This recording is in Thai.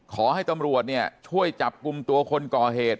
ขอให้ตำรวจเนี่ยช่วยจับกลุ่มตัวคนก่อเหตุ